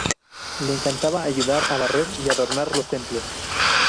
Le encantaba ayudar a barrer y adornar los templos.